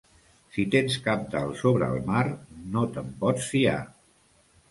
Si tens cabdal sobre el mar, no te'n pots fiar.